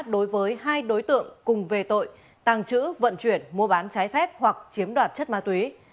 đối với hai đối tượng cùng về tội tàng trữ vận chuyển mua bán trái phép hoặc chiếm đoạt chất ma túy